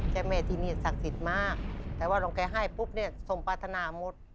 เจ้าแม่ที่นี่ศักดิ์สิทธิ์มากแต่ว่าหลวงแกให้ปุ๊บเนี่ยสมปรารถนาหมด